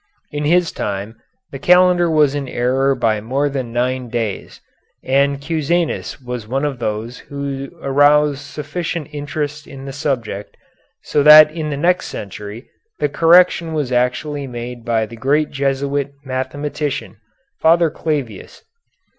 In his time the calendar was in error by more than nine days, and Cusanus was one of those who aroused sufficient interest in the subject, so that in the next century the correction was actually made by the great Jesuit mathematician, Father Clavius.